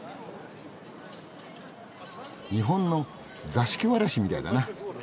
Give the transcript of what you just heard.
日本の座敷わらしみたいだな。